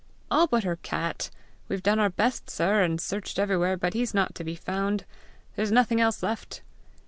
"All but her cat. We've done our best, sir, and searched everywhere, but he's not to be found. There's nothing else left."